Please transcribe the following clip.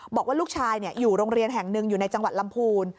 บอกว่าลูกชายอยู่โรงเรียนแห่งหนึ่งอยู่ในจังหวัดลำพูน